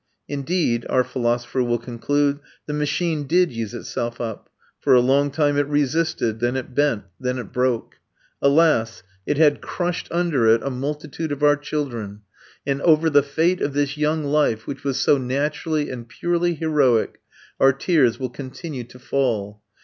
Indeed, our philosopher will conclude, the machine did use itself up. For a long time it resisted; then it bent; then it broke. Alas! it had crushed under it a multitude of our children; and over the fate of this young life, which was so naturally and purely heroic, our tears will continue to fall.